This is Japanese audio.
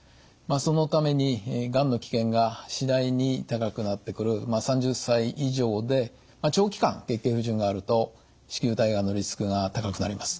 そのためにがんの危険が次第に高くなってくる３０歳以上で長期間月経不順があると子宮体がんのリスクが高くなります。